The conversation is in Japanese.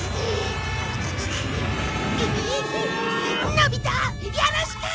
のび太よろしく！